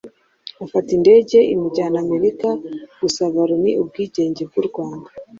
afata indege imujyana amerika gusaba Loni ubwigenge bw’u Rwanda.